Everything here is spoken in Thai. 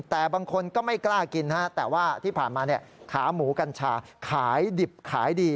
แต่บางคนก็ไม่กล้ากินแต่ว่าที่ผ่านมาขาหมูกัญชาขายดิบขายดี